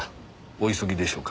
お急ぎでしょうか？